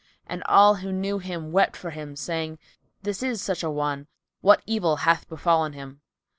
and all who knew him wept for him, saying, "This is such an one: what evil hath befallen him?"